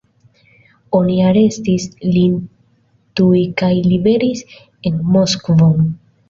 Oni arestis lin tuj kaj liveris en Moskvon.